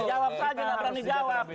jawab saja nggak berani jawab